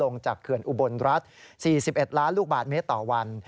จากเขื่อนอุบลรัฐ๔๑ล้านลูกบาทเมตรต่อวัน